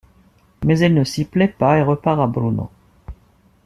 Mais elle ne s'y plaît pas et repart à Brno.